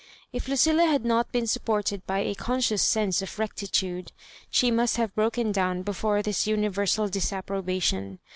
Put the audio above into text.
If Lucilla had not been supported by a conscious sense of rectitude, she must have broken down before this universal disapprobation.